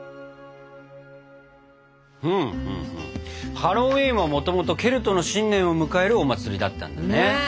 ハロウィーンはもともとケルトの新年を迎えるお祭りだったんだね。